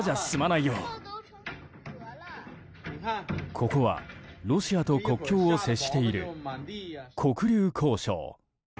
ここはロシアと国境を接している黒竜江省。